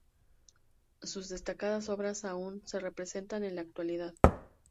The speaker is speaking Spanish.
Sus destacadas obras aún se representan en la actualidad.